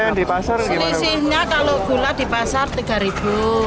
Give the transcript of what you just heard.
gula di pasar rp tiga